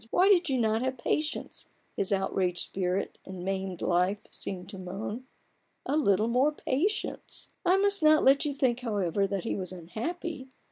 Why did you not have patience ? his outraged spirit and maimed life seemed to moan ; a little more patience ! I must not let you think, however, that he was unhappy.